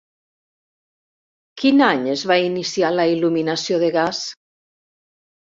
Quin any es va iniciar la il·luminació de gas?